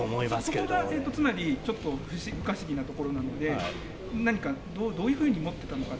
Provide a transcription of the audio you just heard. そこがつまりちょっと不可思議なところなので、何か、どういうふうに持っていったのかって。